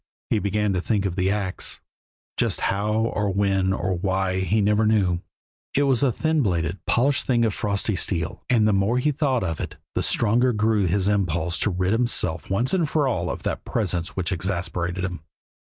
He began to think of the ax just how or when or why he never knew. It was a thin bladed, polished thing of frosty steel, and the more he thought of it the stronger grew his impulse to rid himself once for all of that presence which exasperated him.